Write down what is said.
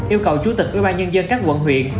yêu cầu chủ tịch ubnd các quận huyện